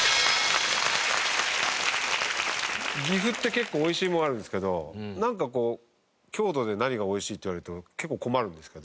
岐阜って結構美味しいものあるんですけどなんかこう郷土で何が美味しい？って言われると結構困るんですけど。